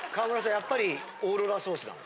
やっぱりオーロラソースなの？